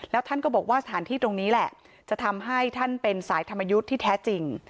แล้วท่านก็บอกว่าสถานที่ตรงนี้แหละจะทำให้ท่านเป็นสายธรรมยุทธ์ที่แท้จริง